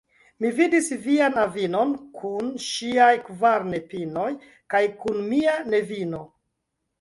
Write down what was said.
Mi vidis vian avinon kun ŝiaj kvar nepinoj kaj kun mia nevino.